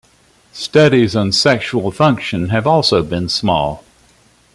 Studies on sexual function have also been small.